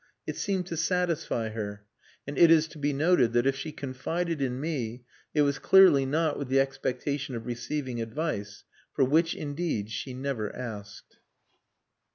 It seemed to satisfy her. And it is to be noted that if she confided in me it was clearly not with the expectation of receiving advice, for which, indeed she never asked.